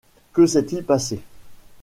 Que s’est-il passé?